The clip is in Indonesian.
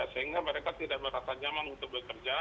sehingga mereka tidak merasa nyaman untuk bekerja